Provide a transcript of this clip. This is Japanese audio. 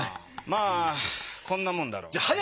まあこんなもんだろう。